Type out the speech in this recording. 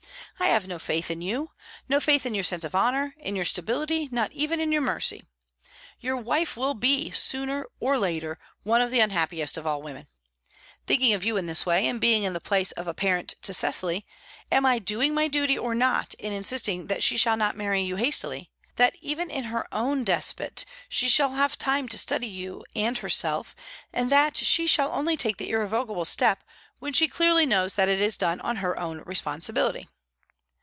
I have no faith in you no faith in your sense of honour, in your stability, not even in your mercy. Your wife will be, sooner or later, one of the unhappiest of women. Thinking of you in this way, and being in the place of a parent to Cecily, am I doing my duty or not in insisting that she shall not marry you hastily, that even in her own despite she shall have time to study you and herself, that she shall only take the irrevocable step when she clearly knows that it is done on her own responsibility?